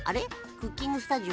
クッキングスタジオ？